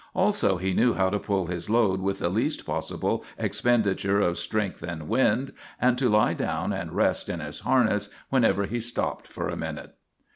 Also he knew how to pull his load with the least possible expenditure of strength and wind, and to lie down and rest in his harness whenever he stopped for a minute.